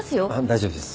大丈夫です。